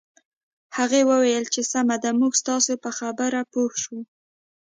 هغې وویل چې سمه ده موږ ستاسو په خبره پوه شوو